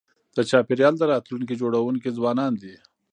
د چاپېریال د راتلونکي جوړونکي ځوانان دي.